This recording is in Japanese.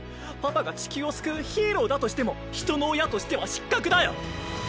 パパが地球を救うヒーローだとしても人の親としては失格だよ！